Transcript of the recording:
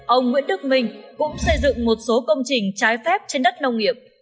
ông nguyễn đức minh cũng xây dựng một số công trình trái phép trên đất nông nghiệp